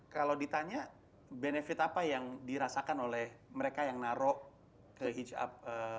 kalau ditanya benefit apa yang dirasakan oleh mereka yang naro ke hitch up